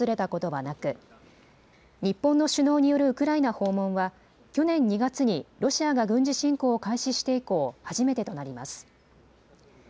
太平洋戦争後、日本の総理大臣が戦闘が続く国や地域を訪れたことはなく日本の首脳によるウクライナ訪問は去年２月にロシアが軍事侵攻を開始して以降、初めてとなります。